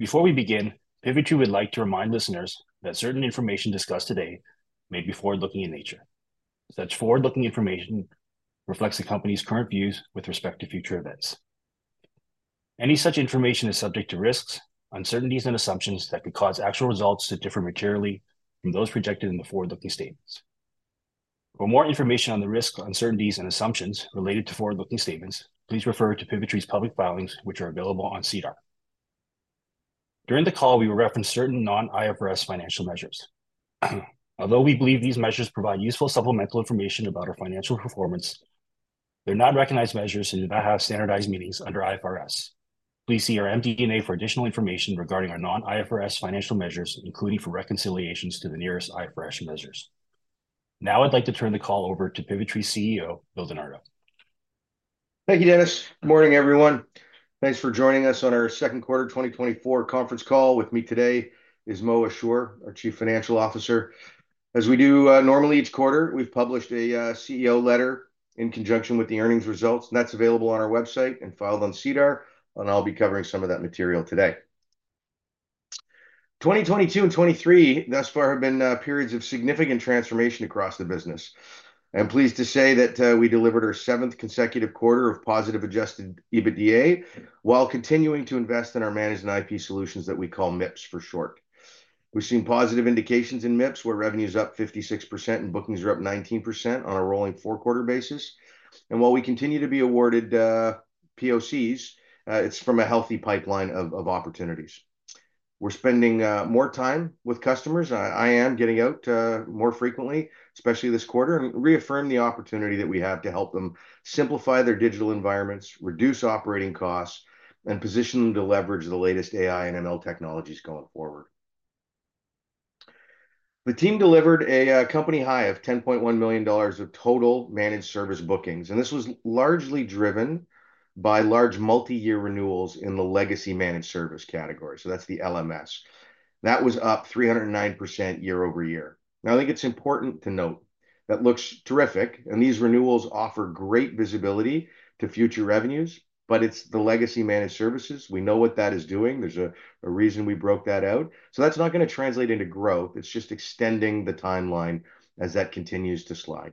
Before we begin, Pivotree would like to remind listeners that certain information discussed today may be forward-looking in nature. Such forward-looking information reflects the company's current views with respect to future events. Any such information is subject to risks, uncertainties, and assumptions that could cause actual results to differ materially from those projected in the forward-looking statements. For more information on the risks, uncertainties, and assumptions related to forward-looking statements, please refer to Pivotree's public filings, which are available on SEDAR. During the call, we will reference certain non-IFRS financial measures. Although we believe these measures provide useful supplemental information about our financial performance, they're not recognized measures and do not have standardized meanings under IFRS. Please see our MD&A for additional information regarding our non-IFRS financial measures, including for reconciliations to the nearest IFRS measures. Now I'd like to turn the call over to Pivotree CEO, Bill Di Nardo. Thank you, Dennis. Morning, everyone. Thanks for joining us on our Q2 2024 Conference Call. With me today is Moataz Al-Ali, our Chief Financial Officer. As we do normally each quarter, we've published a CEO letter in conjunction with the earnings results, and that's available on our website and filed on SEDAR, and I'll be covering some of that material today. 2022 and 2023 thus far have been periods of significant transformation across the business. I'm pleased to say that we delivered our seventh consecutive quarter of positive adjusted EBITDA, while continuing to invest in our managed and IP solutions that we call MIPS for short. We've seen positive indications in MIPS, where revenue's up 56% and bookings are up 19% on a rolling four-quarter basis. While we continue to be awarded POCs, it's from a healthy pipeline of opportunities. We're spending more time with customers. I am getting out more frequently, especially this quarter, and reaffirm the opportunity that we have to help them simplify their digital environments, reduce operating costs, and position them to leverage the latest AI and ML technologies going forward. The team delivered a company high of 10.1 million dollars of total managed service bookings, and this was largely driven by large multi-year renewals in the legacy managed service category, so that's the LMS. That was up 309% year-over-year. Now, I think it's important to note that looks terrific, and these renewals offer great visibility to future revenues, but it's the legacy managed services. We know what that is doing. There's a reason we broke that out. So that's not gonna translate into growth, it's just extending the timeline as that continues to slide.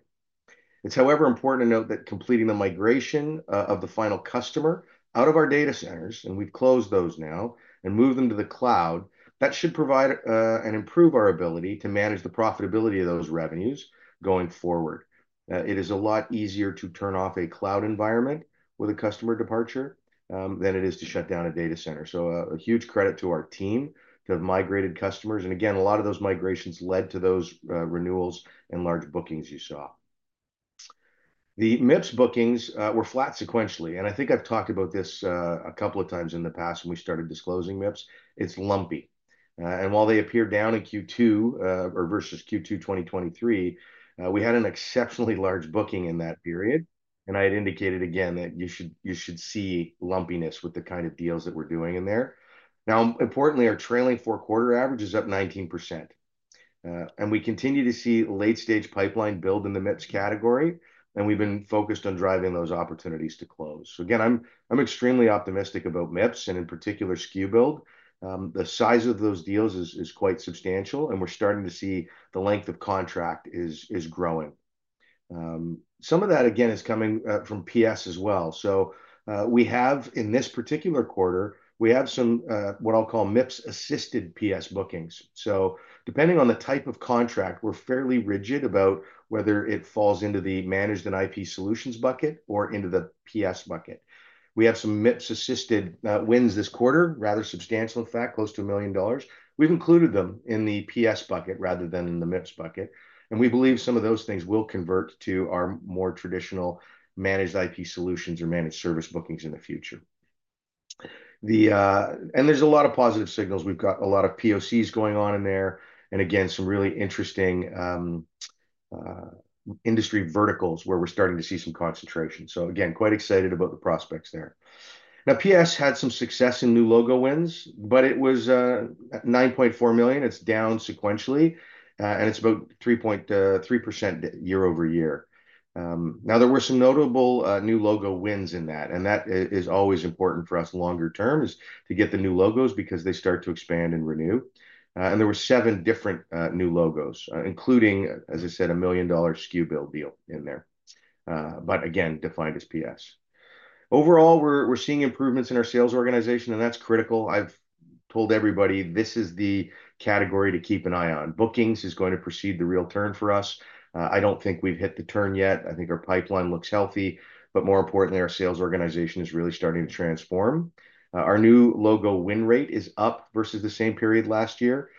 It's, however, important to note that completing the migration of the final customer out of our data centers, and we've closed those now, and moved them to the cloud, that should provide and improve our ability to manage the profitability of those revenues going forward. It is a lot easier to turn off a cloud environment with a customer departure than it is to shut down a data center. So a huge credit to our team to have migrated customers, and again, a lot of those migrations led to those renewals and large bookings you saw. The MIPS bookings were flat sequentially, and I think I've talked about this a couple of times in the past when we started disclosing MIPS. It's lumpy. And while they appear down in Q2 or versus Q2 2023, we had an exceptionally large booking in that period, and I had indicated again that you should see lumpiness with the kind of deals that we're doing in there. Now, importantly, our trailing four-quarter average is up 19%, and we continue to see late-stage pipeline build in the MIPS category, and we've been focused on driving those opportunities to close. So again, I'm extremely optimistic about MIPS and in particular SKU Build. The size of those deals is quite substantial, and we're starting to see the length of contract is growing. Some of that again is coming from PS as well. So, we have... In this particular quarter, we have some what I'll call MIPS-assisted PS bookings. So depending on the type of contract, we're fairly rigid about whether it falls into the managed and IP solutions bucket or into the PS bucket. We have some MIPS-assisted wins this quarter, rather substantial in fact, close to 1 million dollars. We've included them in the PS bucket rather than in the MIPS bucket, and we believe some of those things will convert to our more traditional managed IP solutions or managed service bookings in the future. And there's a lot of positive signals. We've got a lot of POCs going on in there, and again, some really interesting industry verticals where we're starting to see some concentration. So again, quite excited about the prospects there. Now, PS had some success in new logo wins, but it was 9.4 million. It's down sequentially, and it's about 3.3% year-over-year. Now there were some notable new logo wins in that, and that is always important for us longer term, is to get the new logos because they start to expand and renew. And there were seven different new logos, including, as I said, a 1 million dollar SKU build deal in there, but again, defined as PS. Overall, we're seeing improvements in our sales organization, and that's critical. I've told everybody this is the category to keep an eye on. Bookings is going to precede the real turn for us. I don't think we've hit the turn yet. I think our pipeline looks healthy, but more importantly, our sales organization is really starting to transform. Our new logo win rate is up versus the same period last year.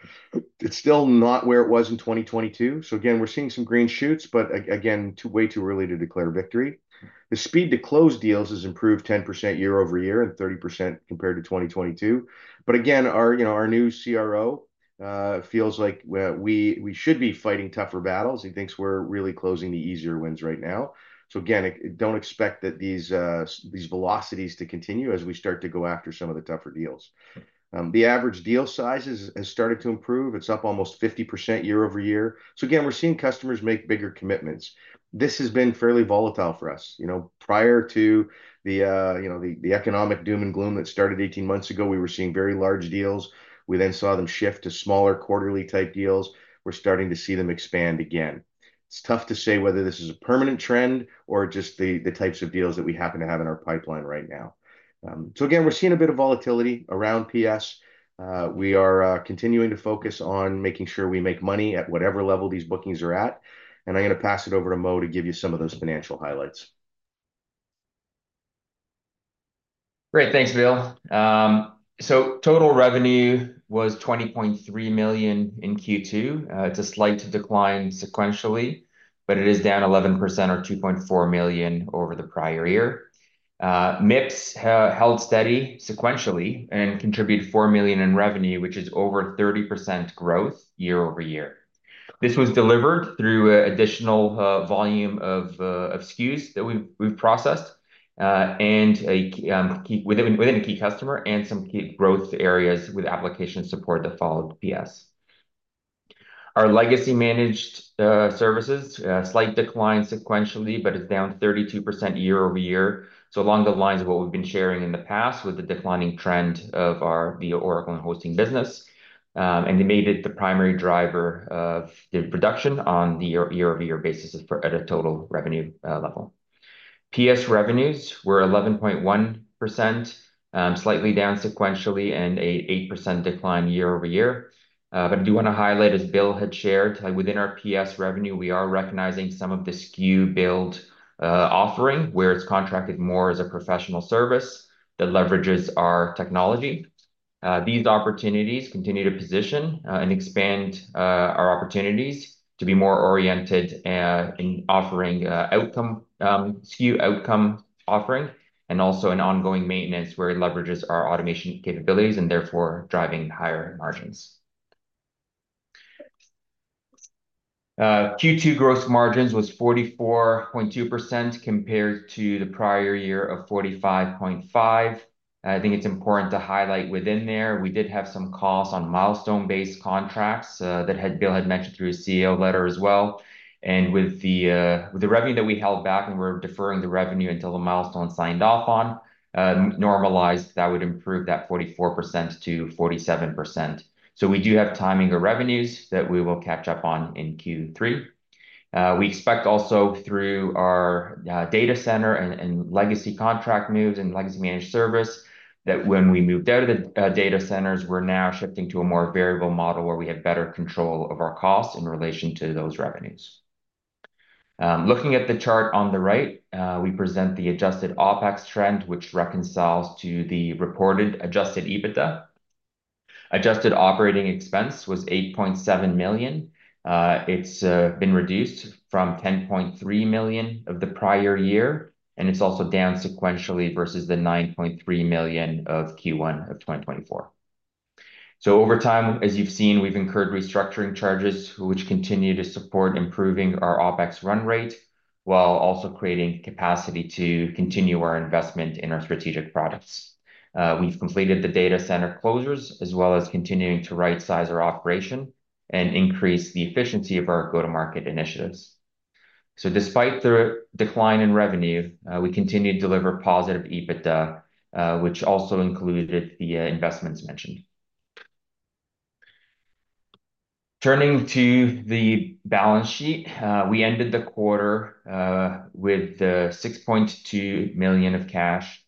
It's still not where it was in 2022, so again, we're seeing some green shoots, but again, way too early to declare victory. The speed to close deals has improved 10% year-over-year and 30% compared to 2022. But again, our, you know, our new CRO feels like we should be fighting tougher battles. He thinks we're really closing the easier wins right now. So again, don't expect that these velocities to continue as we start to go after some of the tougher deals. The average deal size has started to improve. It's up almost 50% year-over-year. So again, we're seeing customers make bigger commitments. This has been fairly volatile for us. You know, prior to the, you know, the economic doom and gloom that started 18 months ago, we were seeing very large deals. We then saw them shift to smaller quarterly-type deals. We're starting to see them expand again. It's tough to say whether this is a permanent trend or just the types of deals that we happen to have in our pipeline right now. So again, we're seeing a bit of volatility around PS. We are continuing to focus on making sure we make money at whatever level these bookings are at, and I'm gonna pass it over to Mo to give you some of those financial highlights. Great. Thanks, Bill. So total revenue was 20.3 million in Q2. It's a slight decline sequentially, but it is down 11% or 2.4 million over the prior year. MIPS held steady sequentially and contributed 4 million in revenue, which is over 30% growth year-over-year. This was delivered through additional volume of SKUs that we've processed and a key within a key customer and some key growth areas with application support that followed PS. Our legacy managed services, a slight decline sequentially, but is down 32% year-over-year. So along the lines of what we've been sharing in the past, with the declining trend of our legacy Oracle and hosting business, and they made it the primary driver of the reduction on the year-over-year basis for at a total revenue level. PS revenues were 11.1%, slightly down sequentially, and an 8% decline year-over-year. But I do want to highlight, as Bill had shared, like within our PS revenue, we are recognizing some of the SKU build offering, where it's contracted more as a professional service that leverages our technology. These opportunities continue to position and expand our opportunities to be more oriented in offering outcome SKU outcome offering, and also an ongoing maintenance where it leverages our automation capabilities and therefore driving higher margins. Q2 gross margins was 44.2%, compared to the prior year of 45.5%. I think it's important to highlight within there, we did have some costs on milestone-based contracts, that Bill had mentioned through his CEO letter as well, and with the revenue that we held back, and we're deferring the revenue until the milestone signed off on, normalized, that would improve that 44% to 47%. So we do have timing of revenues that we will catch up on in Q3. We expect also through our data center and legacy contract moves and legacy managed service, that when we move out of the data centers, we're now shifting to a more variable model, where we have better control of our costs in relation to those revenues. Looking at the chart on the right, we present the adjusted OpEx trend, which reconciles to the reported adjusted EBITDA. Adjusted operating expense was 8.7 million. It's been reduced from 10.3 million of the prior year, and it's also down sequentially versus the 9.3 million of Q1 of 2024. So over time, as you've seen, we've incurred restructuring charges, which continue to support improving our OpEx run rate, while also creating capacity to continue our investment in our strategic products. We've completed the data center closures, as well as continuing to rightsize our operation and increase the efficiency of our go-to-market initiatives. So despite the decline in revenue, we continue to deliver positive EBITDA, which also included the investments mentioned. Turning to the balance sheet, we ended the quarter with 6.2 million of cash.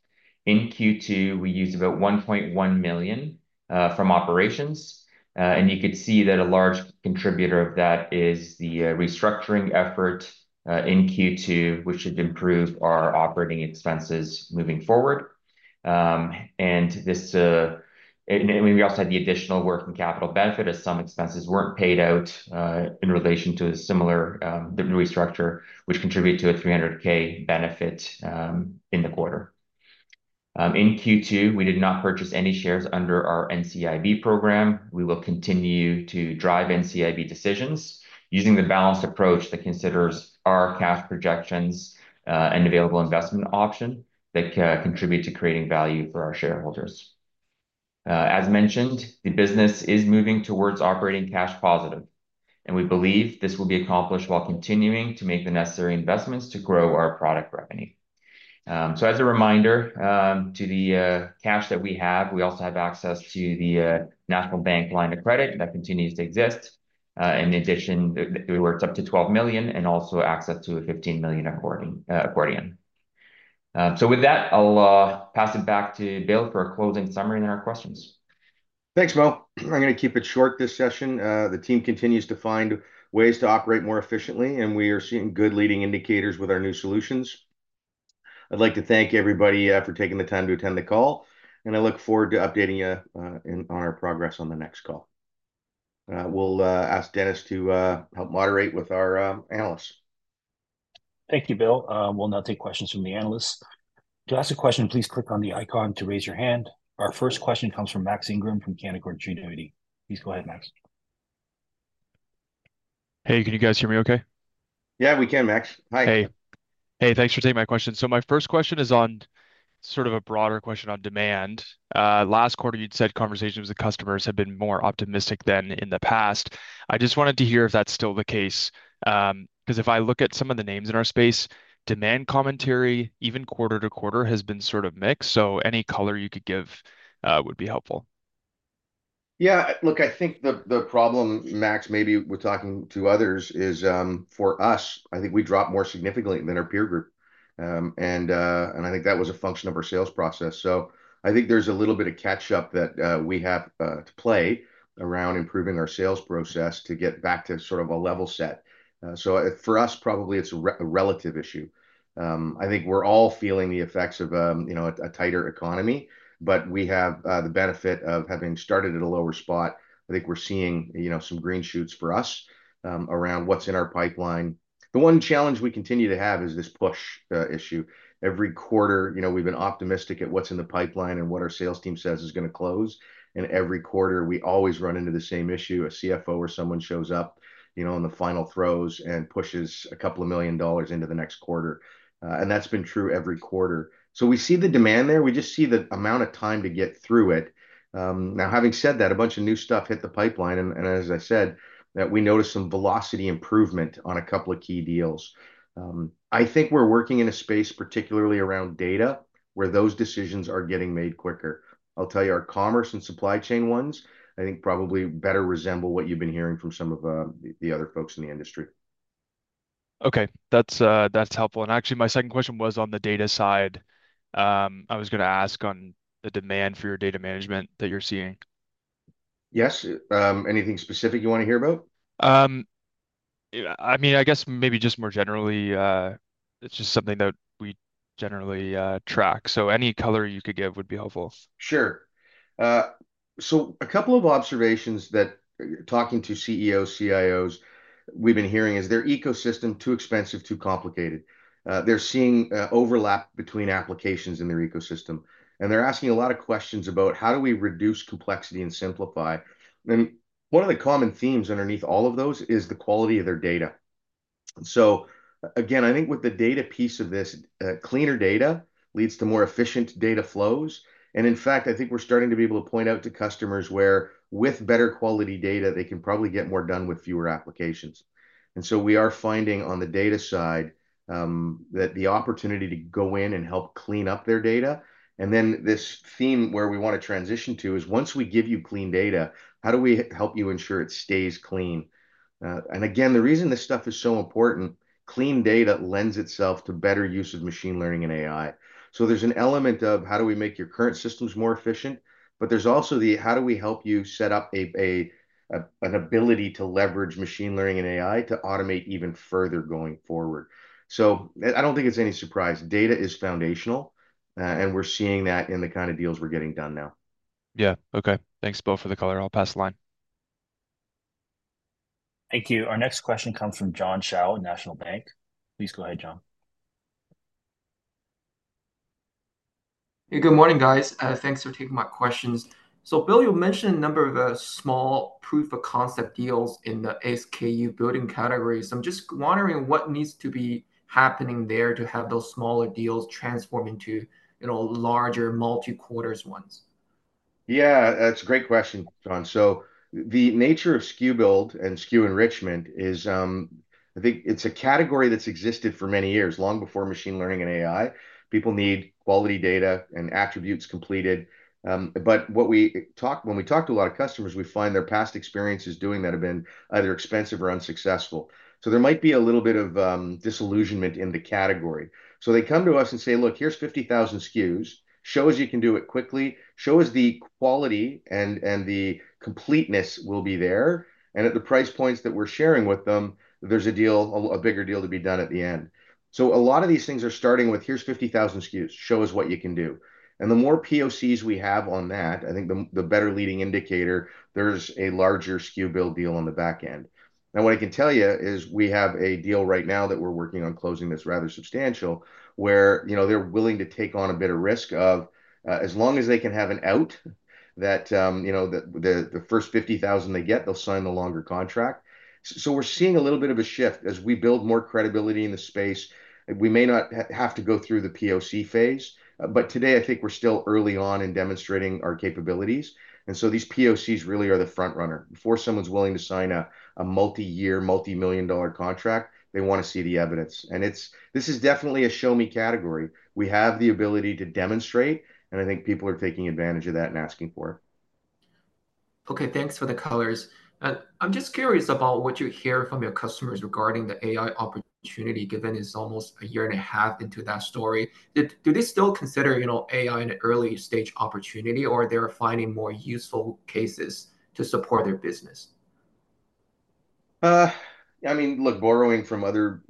In Q2, we used about 1.1 million from operations, and you could see that a large contributor of that is the restructuring effort in Q2, which should improve our operating expenses moving forward. And we also had the additional working capital benefit, as some expenses weren't paid out in relation to the restructuring, which contribute to a 300,000 benefit in the quarter. In Q2, we did not purchase any shares under our NCIB program. We will continue to drive NCIB decisions using the balanced approach that considers our cash projections and available investment option that contribute to creating value for our shareholders. As mentioned, the business is moving towards operating cash positive, and we believe this will be accomplished while continuing to make the necessary investments to grow our product revenue. So as a reminder, to the cash that we have, we also have access to the National Bank line of credit, that continues to exist. In addition, we worked up to 12 million and also access to a 15 million accordion. So with that, I'll pass it back to Bill for a closing summary and our questions. Thanks, Mo. I'm gonna keep it short this session. The team continues to find ways to operate more efficiently, and we are seeing good leading indicators with our new solutions. I'd like to thank everybody for taking the time to attend the call, and I look forward to updating you on our progress on the next call. We'll ask Dennis to help moderate with our analysts.... Thank you, Bill. We'll now take questions from the analysts. To ask a question, please click on the icon to raise your hand. Our first question comes from Max Ingram from Canaccord Genuity. Please go ahead, Max. Hey, can you guys hear me okay? Yeah, we can, Max. Hi. Hey. Hey, thanks for taking my question. So my first question is on sort of a broader question on demand. Last quarter, you'd said conversations with customers had been more optimistic than in the past. I just wanted to hear if that's still the case, 'cause if I look at some of the names in our space, demand commentary, even quarter to quarter, has been sort of mixed, so any color you could give would be helpful. Yeah, look, I think the problem, Max, maybe with talking to others is, for us, I think we dropped more significantly than our peer group. I think that was a function of our sales process. So I think there's a little bit of catch-up that we have to play around improving our sales process to get back to sort of a level set. So for us, probably it's a relative issue. I think we're all feeling the effects of, you know, a tighter economy, but we have the benefit of having started at a lower spot. I think we're seeing, you know, some green shoots for us, around what's in our pipeline. The one challenge we continue to have is this push issue. Every quarter, you know, we've been optimistic at what's in the pipeline and what our sales team says is gonna close, and every quarter, we always run into the same issue, a CFO or someone shows up, you know, in the final throes and pushes 2 million dollars into the next quarter. And that's been true every quarter. So we see the demand there. We just see the amount of time to get through it. Now, having said that, a bunch of new stuff hit the pipeline, and, and as I said, that we noticed some velocity improvement on a couple of key deals. I think we're working in a space, particularly around data, where those decisions are getting made quicker. I'll tell you, our commerce and supply chain ones, I think probably better resemble what you've been hearing from some of the other folks in the industry. Okay, that's, that's helpful. And actually, my second question was on the data side. I was gonna ask on the demand for your data management that you're seeing. Yes. Anything specific you want to hear about? Yeah, I mean, I guess maybe just more generally. It's just something that we generally track, so any color you could give would be helpful. Sure. So a couple of observations that, talking to CEOs, CIOs, we've been hearing is their ecosystem, too expensive, too complicated. They're seeing overlap between applications in their ecosystem, and they're asking a lot of questions about, "How do we reduce complexity and simplify?" And one of the common themes underneath all of those is the quality of their data. So again, I think with the data piece of this, cleaner data leads to more efficient data flows, and in fact, I think we're starting to be able to point out to customers where, with better quality data, they can probably get more done with fewer applications. And so we are finding on the data side, that the opportunity to go in and help clean up their data, and then this theme where we want to transition to is once we give you clean data, how do we help you ensure it stays clean? And again, the reason this stuff is so important, clean data lends itself to better use of machine learning and AI. So there's an element of how do we make your current systems more efficient, but there's also the how do we help you set up an ability to leverage machine learning and AI to automate even further going forward? So I don't think it's any surprise. Data is foundational, and we're seeing that in the kind of deals we're getting done now. Yeah. Okay. Thanks both for the color. I'll pass the line. Thank you. Our next question comes from John Shao, National Bank. Please go ahead, John. Hey, good morning, guys. Thanks for taking my questions. So Bill, you mentioned a number of small proof of concept deals in the SKU building category, so I'm just wondering what needs to be happening there to have those smaller deals transform into, you know, larger multi-quarters ones? Yeah, that's a great question, John. So the nature of SKU build and SKU enrichment is, I think it's a category that's existed for many years, long before machine learning and AI. People need quality data and attributes completed. But what we talk when we talk to a lot of customers, we find their past experiences doing that have been either expensive or unsuccessful. So there might be a little bit of disillusionment in the category. So they come to us and say, "Look, here's 50,000 SKUs. Show us you can do it quickly. Show us the quality, and the completeness will be there." And at the price points that we're sharing with them, there's a deal, a bigger deal to be done at the end. So a lot of these things are starting with, "Here's 50,000 SKUs. Show us what you can do." And the more POCs we have on that, I think the better leading indicator, there's a larger SKU build deal on the back end. Now, what I can tell you is we have a deal right now that we're working on closing that's rather substantial, where, you know, they're willing to take on a bit of risk of, as long as they can have an out, that, you know, the first 50,000 they get, they'll sign the longer contract. So we're seeing a little bit of a shift as we build more credibility in the space. We may not have to go through the POC phase, but today, I think we're still early on in demonstrating our capabilities, and so these POCs really are the front-runner. Before someone's willing to sign a multi-year, multi-million dollar contract, they want to see the evidence, and it's... This is definitely a show-me category. We have the ability to demonstrate, and I think people are taking advantage of that and asking for it. Okay, thanks for the colors. I'm just curious about what you hear from your customers regarding the AI opportunity, given it's almost a year and a half into that story. Do they still consider, you know, AI an early-stage opportunity, or they're finding more useful cases to support their business?... I mean, look, borrowing from other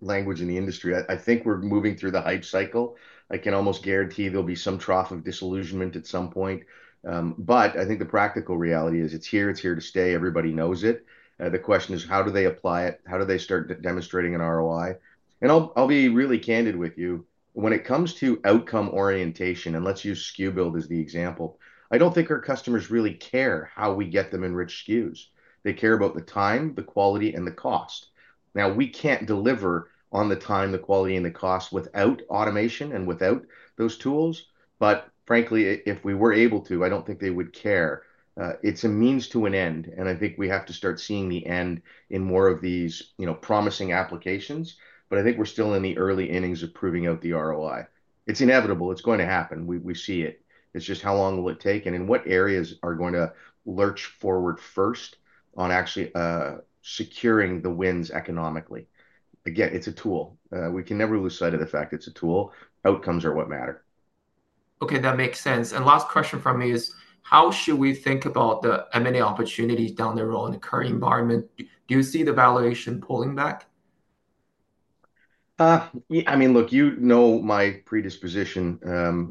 language in the industry, I think we're moving through the hype cycle. I can almost guarantee there'll be some trough of disillusionment at some point. But I think the practical reality is it's here, it's here to stay, everybody knows it. The question is: how do they apply it? How do they start demonstrating an ROI? And I'll be really candid with you. When it comes to outcome orientation, and let's use SKU Build as the example, I don't think our customers really care how we get them enriched SKUs. They care about the time, the quality, and the cost. Now, we can't deliver on the time, the quality, and the cost without automation and without those tools, but frankly, if we were able to, I don't think they would care. It's a means to an end, and I think we have to start seeing the end in more of these, you know, promising applications, but I think we're still in the early innings of proving out the ROI. It's inevitable. It's going to happen. We see it. It's just how long will it take, and in what areas are going to lurch forward first on actually securing the wins economically? Again, it's a tool. We can never lose sight of the fact it's a tool. Outcomes are what matter. Okay, that makes sense. And last question from me is: How should we think about the M&A opportunities down the road in the current environment? Do you see the valuation pulling back? I mean, look, you know my predisposition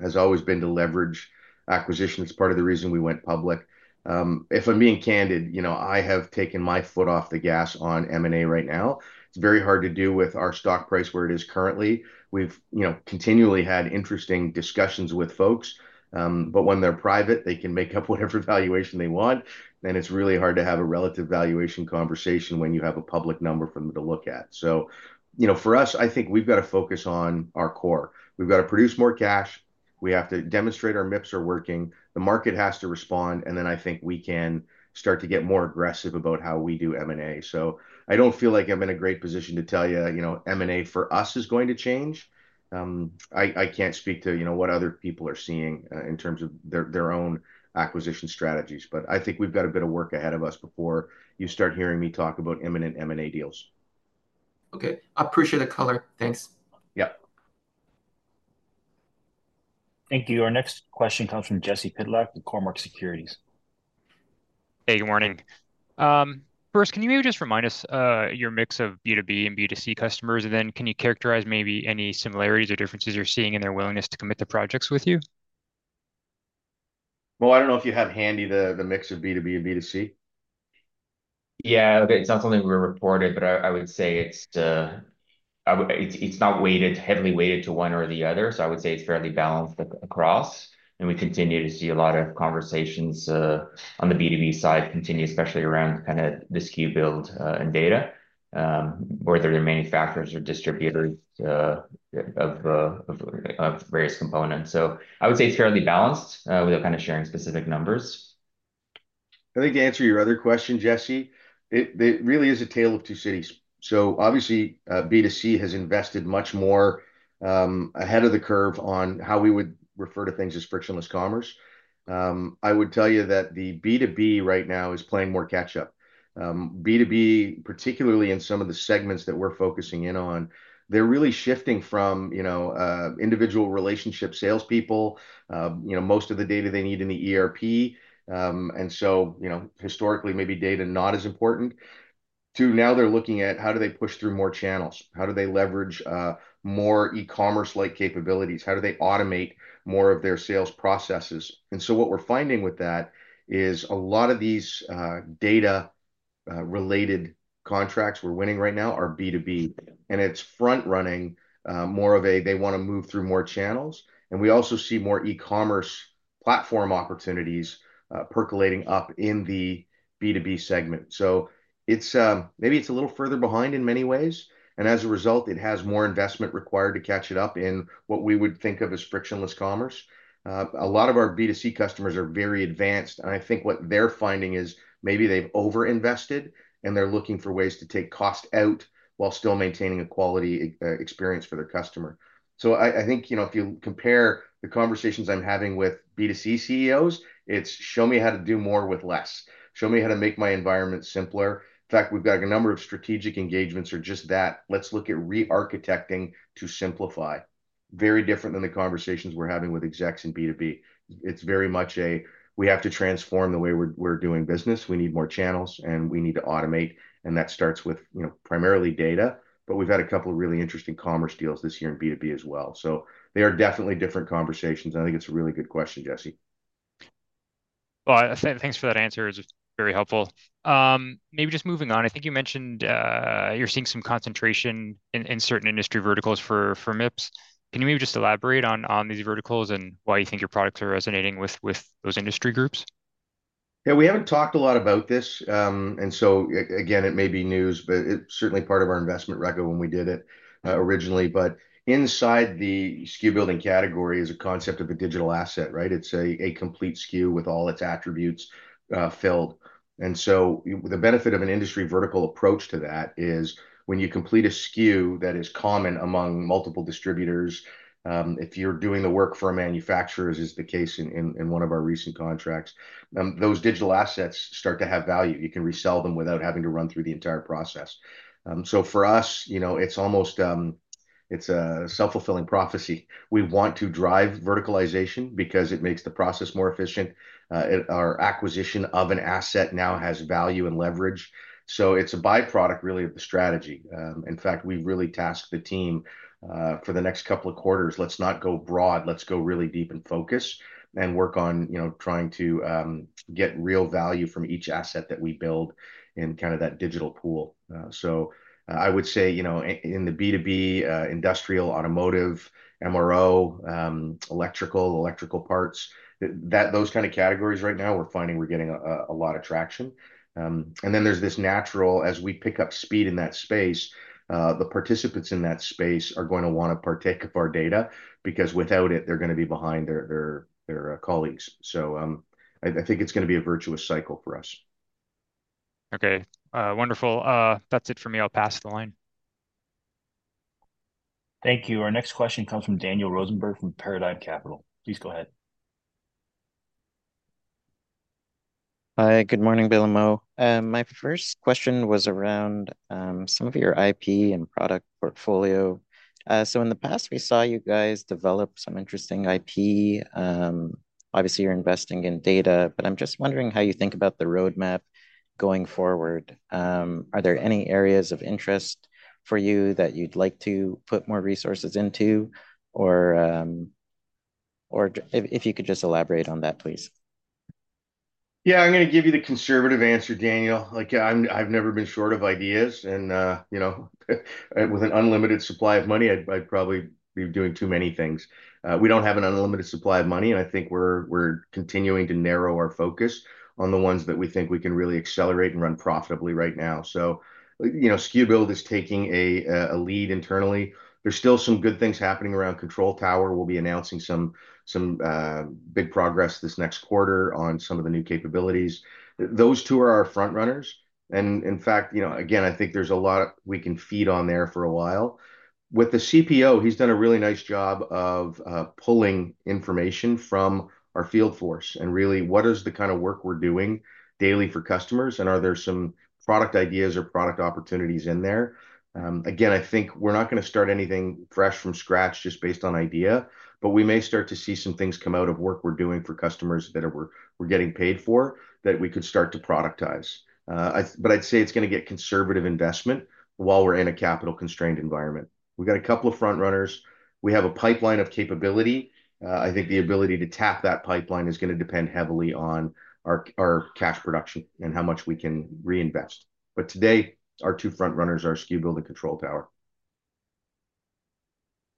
has always been to leverage acquisitions. It's part of the reason we went public. If I'm being candid, you know, I have taken my foot off the gas on M&A right now. It's very hard to do with our stock price where it is currently. We've, you know, continually had interesting discussions with folks, but when they're private, they can make up whatever valuation they want, and it's really hard to have a relative valuation conversation when you have a public number for them to look at. So, you know, for us, I think we've got to focus on our core. We've got to produce more cash. We have to demonstrate our MIPS are working, the market has to respond, and then I think we can start to get more aggressive about how we do M&A. So I don't feel like I'm in a great position to tell you, you know, M&A for us is going to change. I can't speak to, you know, what other people are seeing, in terms of their own acquisition strategies, but I think we've got a bit of work ahead of us before you start hearing me talk about imminent M&A deals. Okay, I appreciate the color. Thanks. Yep. Thank you. Our next question comes from Jesse Pytlak with Cormark Securities. Hey, good morning. First, can you maybe just remind us, your mix of B2B and B2C customers, and then can you characterize maybe any similarities or differences you're seeing in their willingness to commit to projects with you? Well, I don't know if you have handy the mix of B2B and B2C. Yeah, it's not something we reported, but I would say it's not weighted, heavily weighted to one or the other, so I would say it's fairly balanced across, and we continue to see a lot of conversations on the B2B side continue, especially around kind of the SKU build and data, whether they're manufacturers or distributors of various components. So I would say it's fairly balanced without kind of sharing specific numbers. I think to answer your other question, Jesse, it really is a tale of two cities. So obviously, B2C has invested much more ahead of the curve on how we would refer to things as frictionless commerce. I would tell you that the B2B right now is playing more catch-up. B2B, particularly in some of the segments that we're focusing in on, they're really shifting from, you know, individual relationship salespeople, you know, most of the data they need in the ERP, and so, you know, historically, maybe data not as important, to now they're looking at how do they push through more channels? How do they leverage more e-commerce-like capabilities? How do they automate more of their sales processes? So what we're finding with that is a lot of these data related contracts we're winning right now are B2B, and it's front-running more of a they want to move through more channels, and we also see more e-commerce platform opportunities percolating up in the B2B segment. So it's maybe it's a little further behind in many ways, and as a result, it has more investment required to catch it up in what we would think of as frictionless commerce. A lot of our B2C customers are very advanced, and I think what they're finding is maybe they've overinvested, and they're looking for ways to take cost out while still maintaining a quality experience for their customer. So I think, you know, if you compare the conversations I'm having with B2C CEOs, it's, "Show me how to do more with less. Show me how to make my environment simpler." In fact, we've got a number of strategic engagements are just that: Let's look at re-architecting to simplify. Very different than the conversations we're having with execs in B2B. It's very much a, "We have to transform the way we're doing business. We need more channels, and we need to automate," and that starts with, you know, primarily data, but we've had a couple of really interesting commerce deals this year in B2B as well. So they are definitely different conversations, and I think it's a really good question, Jesse. Well, thanks for that answer. It's very helpful. Maybe just moving on, I think you mentioned you're seeing some concentration in certain industry verticals for MIPS. Can you maybe just elaborate on these verticals and why you think your products are resonating with those industry groups? Yeah, we haven't talked a lot about this, and so again, it may be news, but it's certainly part of our investment record when we did it, originally. But inside the SKU building category is a concept of a digital asset, right? It's a complete SKU with all its attributes, filled. The benefit of an industry vertical approach to that is when you complete a SKU that is common among multiple distributors, if you're doing the work for a manufacturer, as is the case in one of our recent contracts, those digital assets start to have value. You can resell them without having to run through the entire process. So for us, you know, it's almost... It's a self-fulfilling prophecy. We want to drive verticalization because it makes the process more efficient. Our acquisition of an asset now has value and leverage, so it's a by-product, really, of the strategy. In fact, we've really tasked the team for the next couple of quarters, let's not go broad, let's go really deep and focus, and work on, you know, trying to get real value from each asset that we build in kind of that digital pool. So I would say, you know, in the B2B, industrial, automotive, MRO, electrical parts, those kind of categories right now, we're finding we're getting a lot of traction. And then there's this natural, as we pick up speed in that space, the participants in that space are going to want to partake of our data, because without it, they're going to be behind their colleagues. I think it's going to be a virtuous cycle for us. Okay, wonderful. That's it for me. I'll pass the line. Thank you. Our next question comes from Daniel Rosenberg from Paradigm Capital. Please go ahead. Hi, good morning, Bill and Mo. My first question was around some of your IP and product portfolio. So in the past, we saw you guys develop some interesting IP. Obviously you're investing in data, but I'm just wondering how you think about the roadmap going forward. Are there any areas of interest for you that you'd like to put more resources into? Or, if you could just elaborate on that, please. Yeah, I'm going to give you the conservative answer, Daniel. Like, yeah, I've never been short of ideas and, you know, with an unlimited supply of money, I'd probably be doing too many things. We don't have an unlimited supply of money, and I think we're continuing to narrow our focus on the ones that we think we can really accelerate and run profitably right now. So, you know, SKU Builder is taking a lead internally. There's still some good things happening around Control Tower. We'll be announcing some big progress this next quarter on some of the new capabilities. Those two are our front runners, and in fact, you know, again, I think there's a lot we can feed on there for a while. With the CPO, he's done a really nice job of pulling information from our field force, and really, what is the kind of work we're doing daily for customers, and are there some product ideas or product opportunities in there? Again, I think we're not going to start anything fresh from scratch just based on idea, but we may start to see some things come out of work we're doing for customers that we're getting paid for, that we could start to productize. But I'd say it's going to get conservative investment while we're in a capital-constrained environment. We've got a couple of front runners. We have a pipeline of capability. I think the ability to tap that pipeline is going to depend heavily on our cash production and how much we can reinvest. Today, our two front runners are SKU Builder and Control Tower.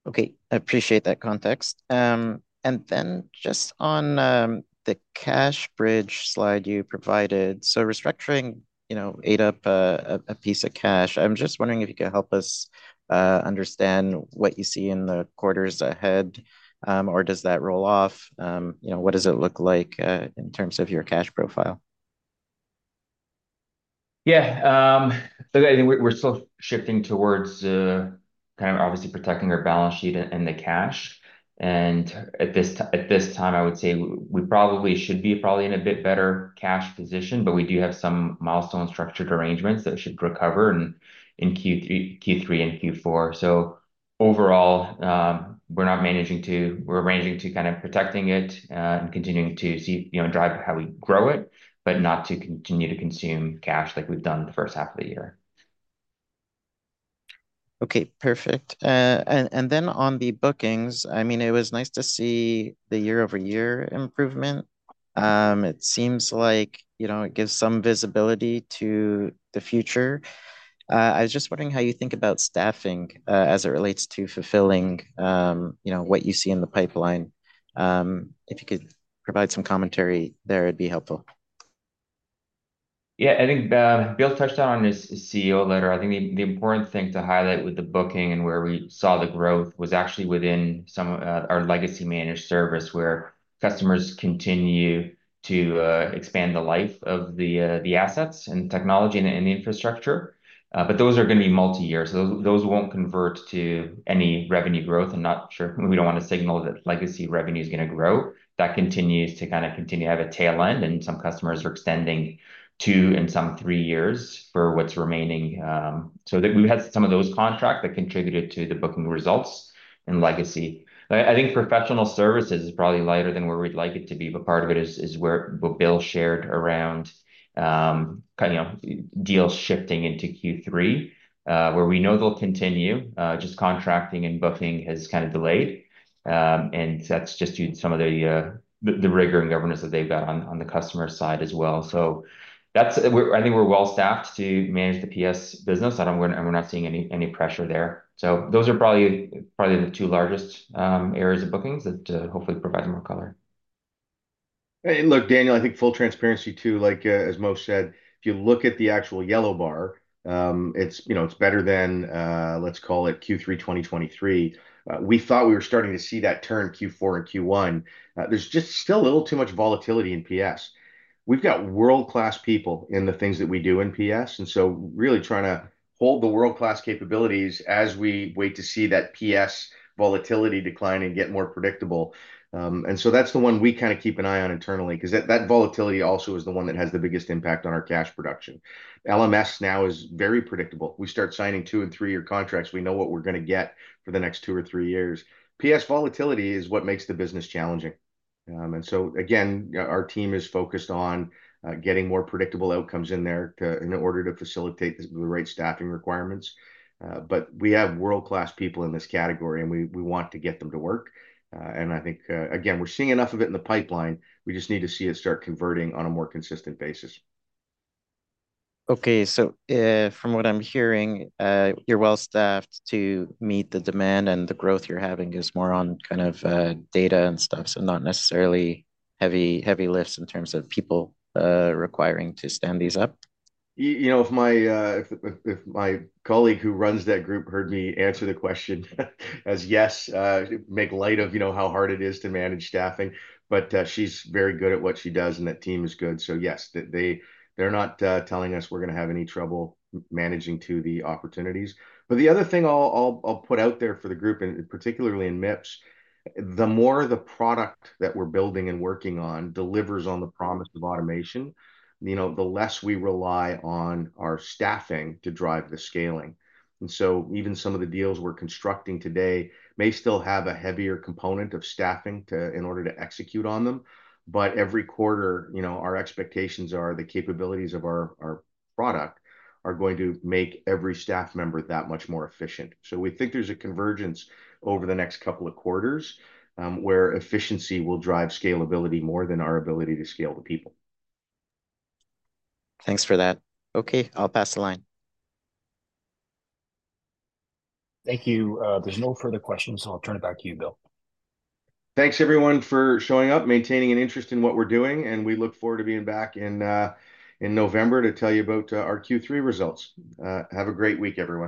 Okay, I appreciate that context. And then just on the cash bridge slide you provided, so restructuring, you know, ate up a piece of cash. I'm just wondering if you could help us understand what you see in the quarters ahead, or does that roll off? You know, what does it look like in terms of your cash profile? Yeah, look, I think we're still shifting towards kind of obviously protecting our balance sheet and the cash. And at this time, I would say we probably should be probably in a bit better cash position, but we do have some milestone structured arrangements that should recover in Q3 and Q4. So overall, we're not managing to... we're managing to kind of protecting it and continuing to see, you know, drive how we grow it, but not to continue to consume cash like we've done the first half of the year. Okay, perfect. And then on the bookings, I mean, it was nice to see the year-over-year improvement. It seems like, you know, it gives some visibility to the future. I was just wondering how you think about staffing, as it relates to fulfilling, you know, what you see in the pipeline. If you could provide some commentary there, it'd be helpful. Yeah, I think Bill touched on it in his CEO letter. I think the important thing to highlight with the booking and where we saw the growth was actually within some of our legacy managed service, where customers continue to expand the life of the assets and technology and the infrastructure. But those are going to be multi-year, so those won't convert to any revenue growth. I'm not sure. We don't want to signal that legacy revenue is going to grow. That continues to kind of continue to have a tail end, and some customers are extending two and some three years for what's remaining. So that we had some of those contracts that contributed to the booking results and legacy. I think professional services is probably lighter than where we'd like it to be, but part of it is where what Bill shared around kind of, you know, deals shifting into Q3, where we know they'll continue, just contracting and booking has kind of delayed. And that's just due to some of the rigor and governance that they've got on the customer side as well. So that's. I think we're well-staffed to manage the PS business, and we're not seeing any pressure there. So those are probably the two largest areas of bookings that hopefully provide more color. Look, Daniel, I think full transparency too, like, as Mo said, if you look at the actual yellow bar, it's, you know, it's better than, let's call it Q3 2023. We thought we were starting to see that turn Q4 and Q1. There's just still a little too much volatility in PS. We've got world-class people in the things that we do in PS, and so really trying to hold the world-class capabilities as we wait to see that PS volatility decline and get more predictable. And so that's the one we kind of keep an eye on internally, 'cause that, that volatility also is the one that has the biggest impact on our cash production. LMS now is very predictable. We start signing two- and three-year contracts, we know what we're going to get for the next two or three years. PS volatility is what makes the business challenging. And so again, our team is focused on getting more predictable outcomes in there to in order to facilitate the right staffing requirements. But we have world-class people in this category, and we want to get them to work. And I think again, we're seeing enough of it in the pipeline. We just need to see it start converting on a more consistent basis. Okay, so, from what I'm hearing, you're well-staffed to meet the demand, and the growth you're having is more on kind of, data and stuff, so not necessarily heavy, heavy lifts in terms of people, requiring to stand these up? You know, if my colleague who runs that group heard me answer the question as, "Yes," make light of, you know, how hard it is to manage staffing, but she's very good at what she does, and that team is good. So yes, they're not telling us we're gonna have any trouble managing to the opportunities. But the other thing I'll put out there for the group, and particularly in MIPS, the more the product that we're building and working on delivers on the promise of automation, you know, the less we rely on our staffing to drive the scaling. And so even some of the deals we're constructing today may still have a heavier component of staffing in order to execute on them, but every quarter, you know, our expectations are the capabilities of our product are going to make every staff member that much more efficient. So we think there's a convergence over the next couple of quarters, where efficiency will drive scalability more than our ability to scale to people. Thanks for that. Okay, I'll pass the line. Thank you. There's no further questions, so I'll turn it back to you, Bill. Thanks, everyone, for showing up, maintaining an interest in what we're doing, and we look forward to being back in, in November to tell you about, our Q3 results. Have a great week, everyone.